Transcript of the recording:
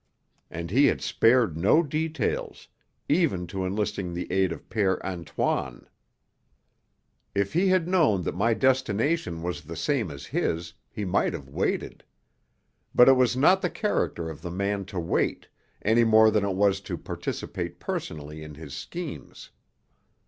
And he had spared no details, even to enlisting the aid of Père Antoine. If he had known that my destination was the same as his, he might have waited. But it was not the character of the man to wait, any more than it was to participate personally in his schemes.